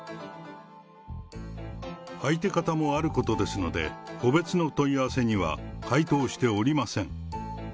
相手方もあることですので、個別の問い合わせには回答しておりません。